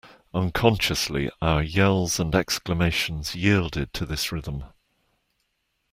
Unconsciously, our yells and exclamations yielded to this rhythm.